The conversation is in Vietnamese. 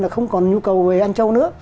là không còn nhu cầu về ăn châu nữa